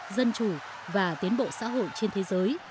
dân chủ và tiến bộ xã hội trên thế giới